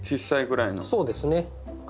そうですね。